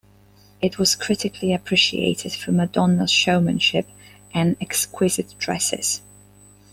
It was critically appreciated for Madonna's showmanship and "exquisite" dresses.